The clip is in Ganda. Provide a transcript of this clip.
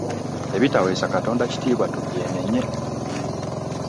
Ebitaweesa Katonda kitiibwa tubyenenye.